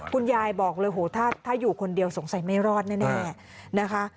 คุณยายบอกเลยโหถ้าอยู่คนเดียวสงสัยไม่รอดแน่นะคะ